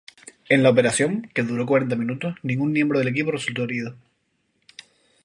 En la operación, que duró cuarenta minutos, ningún miembro del equipo resultó herido.